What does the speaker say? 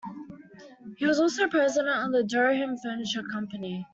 He was also president of the Durham Furniture Company.